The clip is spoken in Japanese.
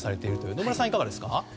野村さんはいかがですか？